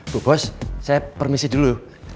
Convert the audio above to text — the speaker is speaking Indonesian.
bu bos saya permisi dulu